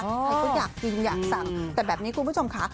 ใครเขาอยากกินอยากสั่งแต่แบบนี้คุณผู้ชมค่ะ